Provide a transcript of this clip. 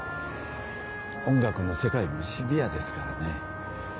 音楽の世界もシビアですからね。